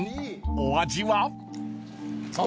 お味は？］